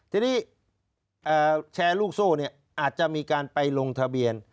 ทีนี้แชร์ลูกโซ่อาจจะมีการไปลงทะเบียน